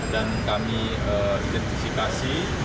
dan kami identifikasi